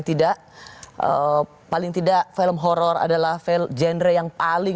tapi di kesejahteraan pun